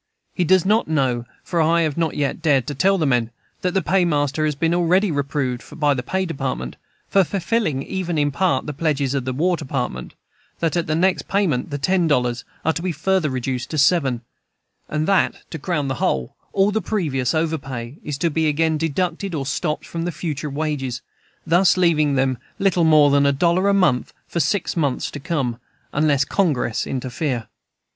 He does not know for I have not yet dared to tell the men that the Paymaster has been already reproved by the Pay Department for fulfilling even in part the pledges of the War Department; that at the next payment the ten dollars are to be further reduced to seven; and that, to crown the whole, all the previous overpay is to be again deducted or "stopped" from the future wages, thus leaving them a little more than a dollar a month for six months to come, unless Congress interfere!